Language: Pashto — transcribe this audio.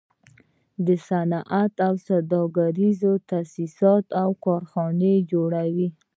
دوی صنعتي او سوداګریز تاسیسات او کارخانې جوړوي